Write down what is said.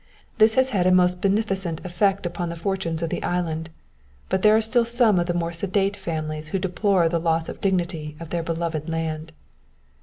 This has had a most beneficent effect upon the fortunes of the island, but there are still some of the more sedate families who deplore the loss of dignity of their beloved land.